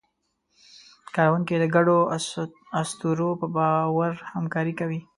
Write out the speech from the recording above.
کارکوونکي د ګډو اسطورو په باور همکاري کوي.